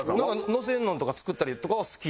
載せるのとか作ったりとかは好きで。